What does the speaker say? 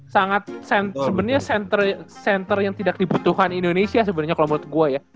sangat sebenarnya center yang tidak dibutuhkan indonesia sebenarnya kalau menurut gue ya